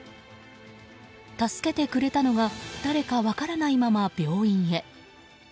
助けてくれたのか誰か分からないまま病院へ。